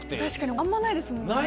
あんまないですもんね